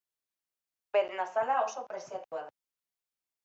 Beren azala oso preziatua da.